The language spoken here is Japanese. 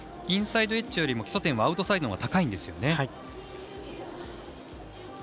インサイドエッジよりも基礎点はアウトサイドのほうが高いんですよね。